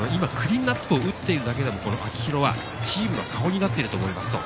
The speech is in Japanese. クリーンナップを打ってるだけでも、秋広はチームの顔になっていると思います。